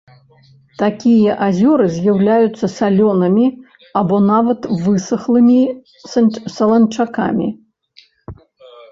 Такія азёры з'яўляюцца салёнымі або нават высахлымі саланчакамі.